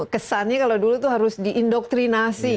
kesannya kalau dulu itu harus diindoktrinasi